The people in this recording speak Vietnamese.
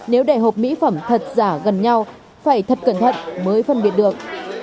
nếu để hộp mỹ phẩm thật giả gần nhau phải thật cẩn thận mới phân biệt được